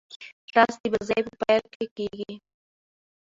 ټاس د بازۍ په پیل کښي کیږي.